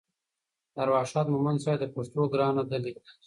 د ارواښاد مومند صیب د پښتو ګرانه ده لیک